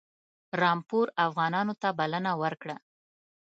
رامپور افغانانو ته بلنه ورکړه.